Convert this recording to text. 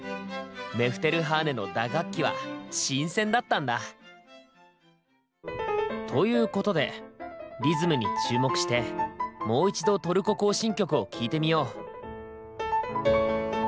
メフテルハーネの打楽器は新鮮だったんだ。ということでリズムに注目してもう一度「トルコ行進曲」を聴いてみよう。